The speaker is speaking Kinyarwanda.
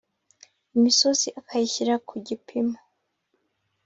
imisozi akayishyira ku gipimo,